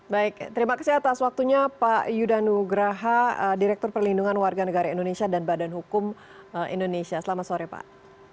baik terima kasih atas waktunya pak yudanugraha direktur perlindungan warga negara indonesia dan badan hukum indonesia selamat sore pak